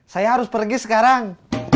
saya harus pergi sekarang